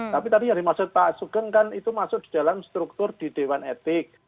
tapi tadi yang dimaksud pak sugeng kan itu masuk di dalam struktur di dewan etik